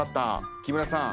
木村さん